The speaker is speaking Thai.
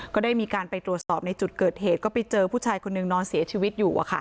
ก็ได้มีการไปตรวจสอบในจุดเกิดเหตุก็ไปเจอผู้ชายคนหนึ่งนอนเสียชีวิตอยู่